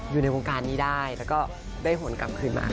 อยู่ในวงการนี้ได้แล้วก็ได้ผลกลับคืนมา